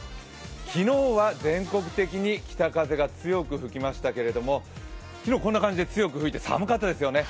昨日は、全国的に北風が強く吹きましたけれども、昨日こんな感じで吹いて寒かったですよね。